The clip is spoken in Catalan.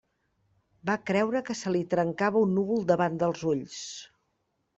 Va creure que se li trencava un núvol davant dels ulls.